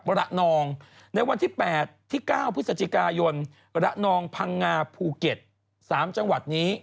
ระนองในวันที่๘ที่๙พฤศจิกายนระนองพังงาภูเก็ต๓จังหวัดนี้